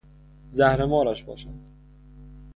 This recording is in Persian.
زهر مارش باشد!